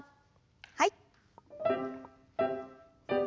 はい。